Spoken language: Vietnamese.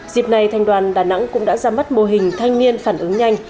dịp này thành đoàn đà nẵng cũng đã ra mắt mô hình thanh niên phản ứng nhanh